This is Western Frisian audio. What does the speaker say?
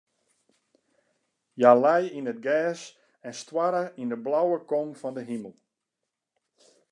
Hja lei yn it gers en stoarre yn de blauwe kom fan de himel.